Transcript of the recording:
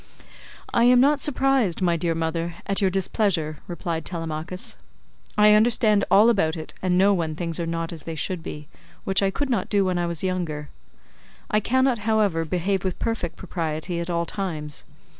"I am not surprised, my dear mother, at your displeasure," replied Telemachus, "I understand all about it and know when things are not as they should be, which I could not do when I was younger; I cannot, however, behave with perfect propriety at all times.